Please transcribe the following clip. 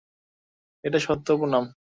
এটাই সত্য, পুনাম।